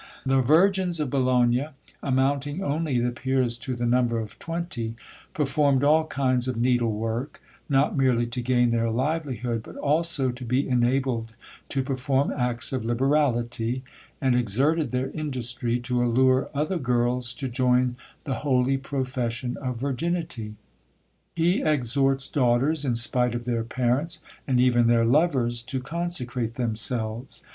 The Virgins of Bologna, amounting only, it appears, to the number of twenty, performed all kinds of needlework, not merely to gain their livelihood, but also to be enabled to perform acts of liberality, and exerted their industry to allure other girls to join the holy profession of VIRGINITY. He exhorts daughters, in spite of their parents, and even their lovers, to consecrate themselves.